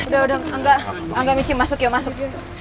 udah udah angga angga mici masuk yuk masuk